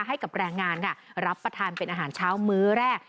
ให้กับแรงงานค่ะรับประทานเป็นอาหารเช้ามื้อแรก